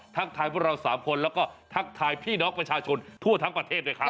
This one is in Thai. ทักทายพวกเรา๓คนแล้วก็ทักทายพี่น้องประชาชนทั่วทั้งประเทศด้วยครับ